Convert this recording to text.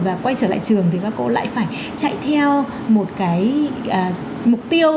và quay trở lại trường thì các cô lại phải chạy theo một cái mục tiêu